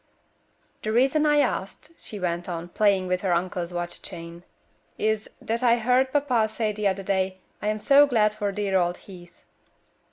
"The reason I asked," she went on, playing with her uncle's watch chain, "is, that I heard papa say the other day, 'I am so glad for dear old Heath.'"